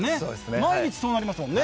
毎日そうなりますもんね。